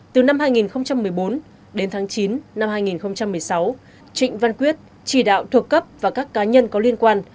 từ năm hai nghìn một mươi bốn đến tháng chín năm hai nghìn một mươi sáu trịnh văn quyết chỉ đạo thuộc cấp và các cá nhân có liên quan